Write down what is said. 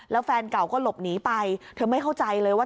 แล้วแฟนเก่าก็หลบหนีไปเธอไม่เข้าใจเลยว่า